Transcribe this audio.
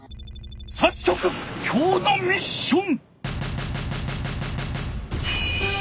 さっそくきょうのミッション！